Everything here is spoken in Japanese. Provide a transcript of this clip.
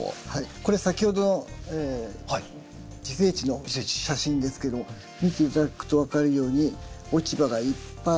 これ先ほどの自生地の写真ですけど見て頂くと分かるように落ち葉がいっぱいあります。